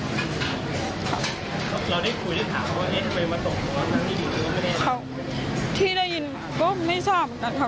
เราได้คุยที่ถามว่าเองเคยมาตกเขาที่ได้ยินก็ไม่ทราบเหมือนกันค่ะ